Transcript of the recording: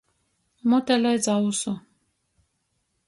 Mute leidz ausu.